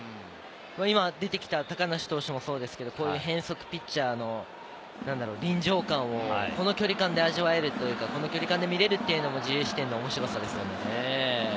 今、出てきた高梨投手もそうですけれど変則ピッチャーの臨場感をこの距離感で味わえるというか、この距離感で見れるっていうのも自由視点の面白さですよね。